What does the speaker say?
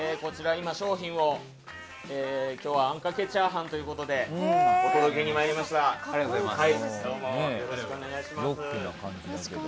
今、商品を今日はあんかけチャーハンということでありがとうございます。